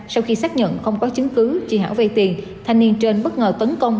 sau khi xác nhận không có chứng cứ chị hảo vay tiền thanh niên trên bất ngờ tấn công